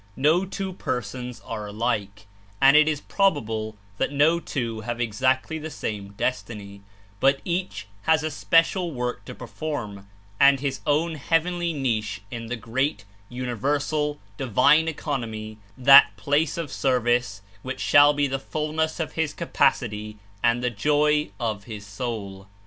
No two persons are alike, and It Is probable that no two have exactly the same destiny, but each has a special work to perform and his own heavenly niche In the great, universal, divine economy, that place of service which shall be the fullness of his capacity and the joy of his soul.